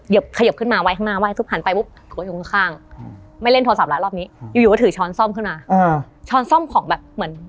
ยุกยิกอะไรไม่รู้จนหนูแบบ